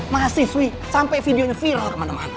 mahasiswi sampai videonya viral kemana mana